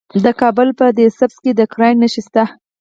د کابل په ده سبز کې د ګرانیټ نښې شته.